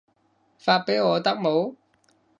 發畀我得冇